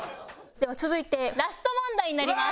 では続いてラスト問題になります。